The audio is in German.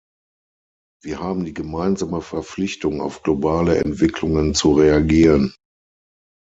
Wir haben die gemeinsame Verpflichtung, auf globale Entwicklungen zu reagieren.